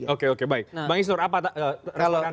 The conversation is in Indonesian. oke oke baik bang isno apa resmi anda